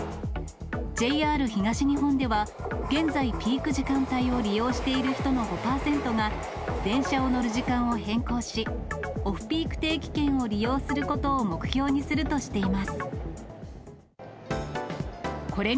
ＪＲ東日本では、現在、ピーク時間帯を利用している人の５％が、電車を乗る時間を変更し、オフピーク定期券を利用することを目標にするとしています。